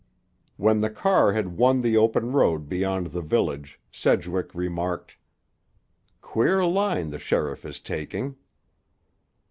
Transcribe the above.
When the car had won the open road beyond the village Sedgwick remarked: "Queer line the sheriff is taking."